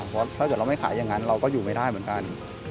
เพราะถ้าเกิดเราไม่ขายอย่างนั้นเราก็อยู่ไม่ได้เหมือนกัน